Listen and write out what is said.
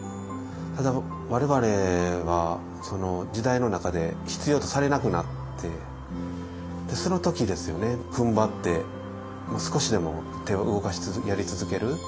ただ我々は時代の中で必要とされなくなってその時ですよねふんばって少しでも手を動かしつつやり続ける。